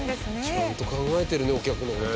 ちゃんと考えてるねお客の事。